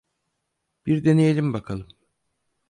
Bir deneyelim bakalım.